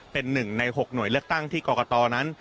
เป็นหนึ่งใน๖หน่วยเลือกตั้งที่กรกตนั้น